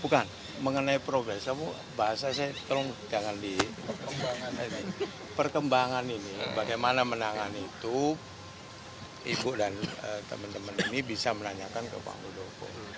bukan mengenai perkembangan ini bagaimana menangani itu ibu dan teman teman ini bisa menanyakan ke pak muldoko